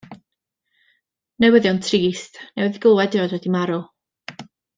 Newyddion trist, newydd glywed ei fod wedi marw.